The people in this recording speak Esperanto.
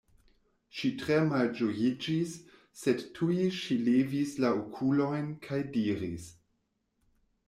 Ŝi tre malĝojiĝis, sed tuj ŝi levis la okulojn kaj diris: